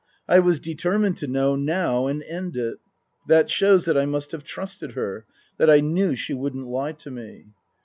I was determined to know now and end it. That shows that I must have trusted her ; that I knew she wouldn't lie to me.